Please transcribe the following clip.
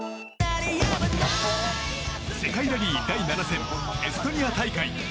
世界ラリー第７戦エストニア大会。